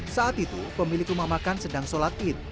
saat itu pemilik rumah makan sedang sholat id